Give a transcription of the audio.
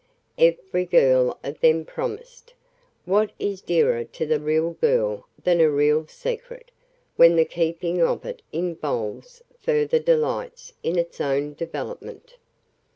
Every girl of them promised. What is dearer to the real girl than a real secret when the keeping of it involves further delights in its development?